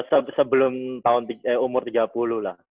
sebelum umur tiga puluh lah